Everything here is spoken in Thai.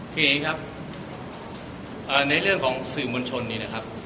ทีนี้ครับในเรื่องของสื่อมวลชนเนี่ยนะครับ